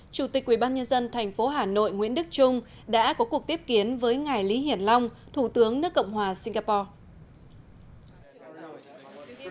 chủ tịch ubnd tp hà nội nguyễn đức trung đã có cuộc tiếp kiến với ngài lý hiển long thủ tướng nước cộng hòa singapore